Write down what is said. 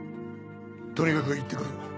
とにかく行ってくる。